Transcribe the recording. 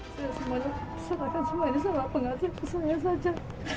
saya semuanya saya akan semuanya saya pengasih pesannya saja